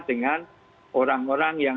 dengan orang orang yang